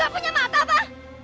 hah gak punya mata apa